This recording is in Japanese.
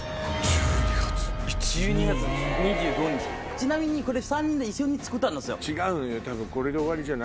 ちなみにこれ３人で一緒につくったんですよ。